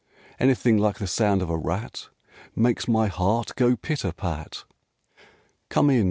Anything like the sound of a rat Makes my heart go pit a pat!" "Come in!"